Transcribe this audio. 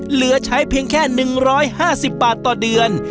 เหลือใช้เพียงแค่หนึ่งร้อยห้าสิบบาทต่อเดือน